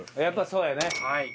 やっぱそうやね。